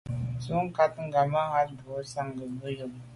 Ndù kà ghammatat boa memo’ nsan se’ ngom yube.